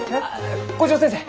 校長先生